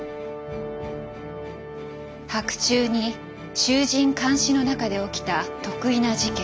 白昼に衆人環視の中で起きた特異な事件。